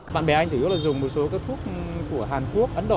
bạn bè anh thường dùng một số cái thuốc của hàn quốc ấn độ